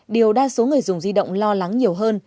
điều đa số người dùng di động lo lắng nhiều hơn